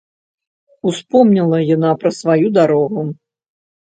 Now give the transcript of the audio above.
Успомніла яна пра сваю дарогу.